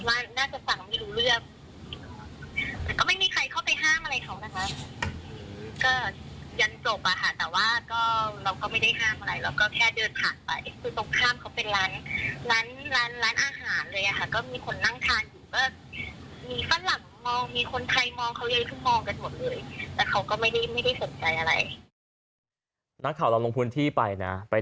มีฝรั่งมองมีคนไทยมองเขายืนขึ้นนั่งมองกันหมดเลย